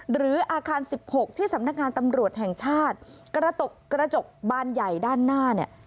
หรืออาคารสิบหกที่สำนักงานตำรวจแห่งชาติกระจกบานใหญ่ด้านหน้าเนี่ย